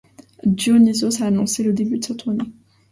Dionysos a annoncé le début de sa tournée.